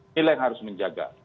inilah yang harus menjaga